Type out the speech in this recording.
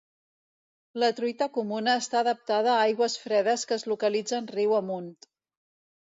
La truita comuna està adaptada a aigües fredes que es localitzen riu amunt.